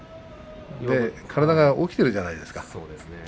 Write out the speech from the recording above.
体が起きているじゃないですか。